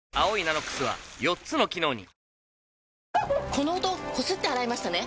この音こすって洗いましたね？